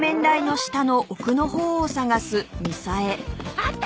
あった！